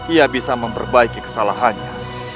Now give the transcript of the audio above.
ia bisa memperbaiki kesalahannya